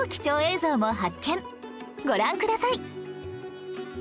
ご覧ください